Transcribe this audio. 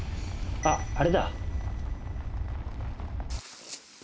あっあれだ。